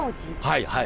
はいはい。